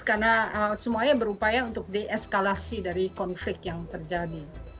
karena semuanya berupaya untuk di eskalasi dari konflik yang terjadi